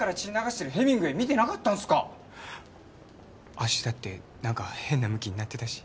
脚だってなんか変な向きになってたし。